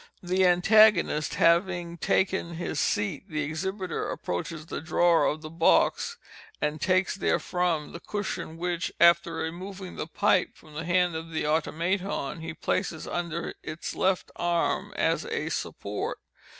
The antagonist having taken his seat, the exhibiter approaches the drawer of the box, and takes therefrom the cushion, which, after removing the pipe from the hand of the Automaton, he places under its left arm as a support.